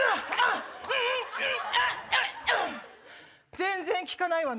全然効かないわね。